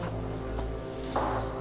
tidak ada apa apa